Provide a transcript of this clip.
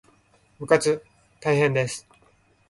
部活大変です